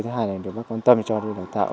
thứ hai là được bác hồng quan tâm cho đồng tạo